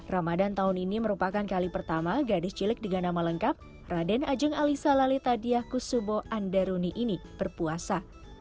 ramadan tahun ini merupakan kali pertama gadis cilik dengan nama lengkap raden ajeng alisa lalitadiah kusubo andaruni ini berpuasa